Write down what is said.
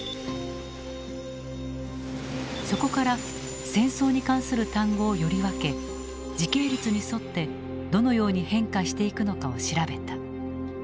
そこから戦争に関する単語をより分け時系列に沿ってどのように変化していくのかを調べた。